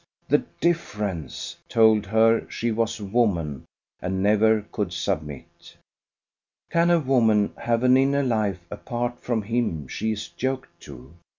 the difference!" told her she was woman and never could submit. Can a woman have an inner life apart from him she is yoked to?